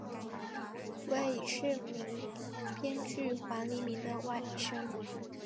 为已逝名编剧黄黎明的外甥。